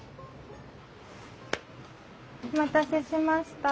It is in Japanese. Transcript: お待たせしました。